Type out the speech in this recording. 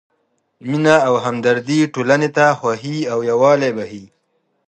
مینه او همدردي ټولنې ته خوښي او یووالی بښي.